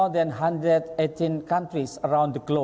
ke lebih dari satu ratus delapan belas negara di seluruh dunia